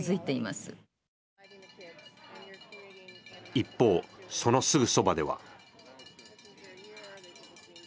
一方、そのすぐそばでは。